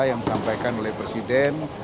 yang disampaikan oleh presiden